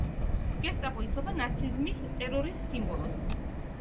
გესტაპო ითვლება ნაციზმის ტერორის სიმბოლოდ.